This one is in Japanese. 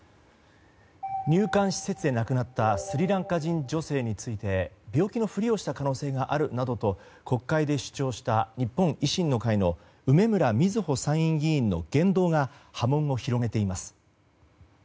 入管施設で亡くなったスリランカ人女性について病気のふりをした可能性があるなどと国会で主張した日本維新の会の梅村みずほ参院議員の言動が波紋を広げています。